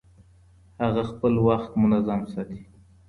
هغه خپل وخت منظم ساتي.